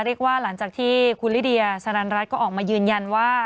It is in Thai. หลังจากที่คุณลิเดียสนันรัฐก็ออกมายืนยันว่า